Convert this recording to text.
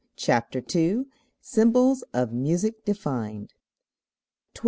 CHAPTER II SYMBOLS OF MUSIC DEFINED 12.